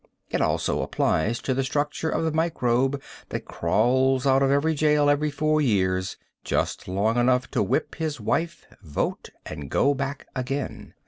It also applies to the structure of the microbe that crawls out of jail every four years just long enough to whip his wife, vote and go back again.